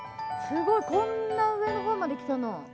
こんな上のほうまで来たの。